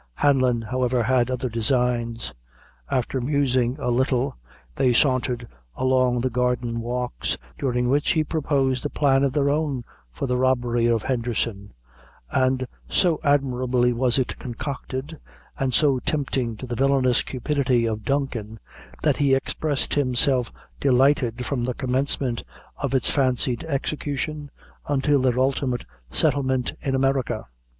Hanlon, however, had other designs. After musing a little, they sauntered along the garden walks, during which he proposed a plan of their own for the robbery of Henderson; and so admirably was it concocted, and so tempting to the villainous cupidity of Duncan, that he expressed himself delighted from the commencement of its fancied execution until their ultimate settlement in America.